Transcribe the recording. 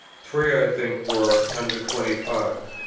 Three, I think, were under twenty five.